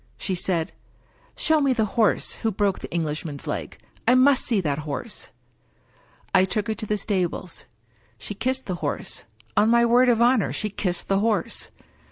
She said, " Show me the horse who broke the Englishman's leg ! I must see that horse !"" I took her to the stables. She kissed the horse— on my word of honor, she kissed the horse